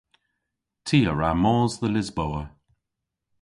Ty a wra mos dhe Lisboa.